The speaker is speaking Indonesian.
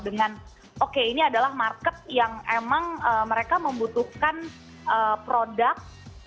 dengan oke ini adalah market yang emang mereka membutuhkan produk